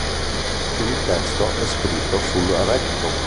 Il testo è scritto sul recto.